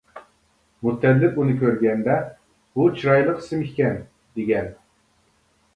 مۇتەللىپ ئۇنى كۆرگەندە: «بۇ چىرايلىق ئىسىم ئىكەن» دېگەن.